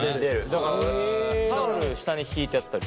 だからタオル下にひいてやったりする。